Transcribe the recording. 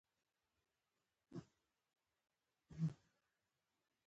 ويې ویل چې د پولادو خرابې شوې کارخانې پرېږدي